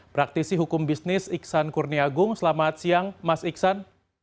praktisi hukum bisnis iksan kurniagung selamat siang mas iksan